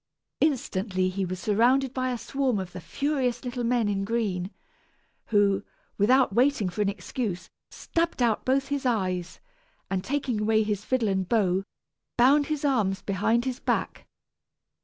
Instantly, he was surrounded by a swarm of the furious little men in green, who, without waiting for an excuse, stabbed out both his eyes, and taking away his fiddle and bow, bound his arms behind his back.